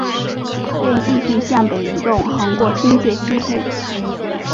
并继续向北移动横过新界西部。